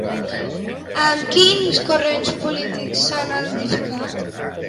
Amb quins corrents polítics s'ha identificat?